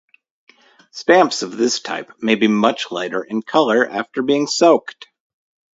Stamps of this type may be much lighter in color after being soaked.